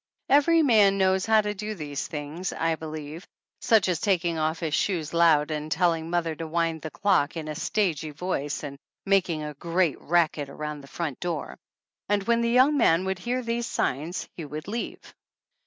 Every man knows how to do these things, I believe, such as taking off his shoes loud and telling mother to wind the clock, in a stagey voice, and making a great racket around the front door. And when the young man would hear these signs he would leave.